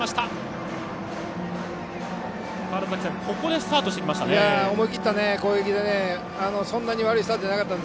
ここでスタートしてきましたね。